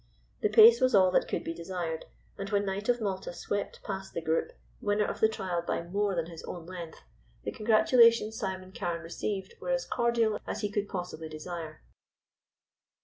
The pace was all that could be desired, and when Knight of Malta swept past the group, winner of the trial by more than his own length, the congratulations Simon Carne received were as cordial as he could possibly desire.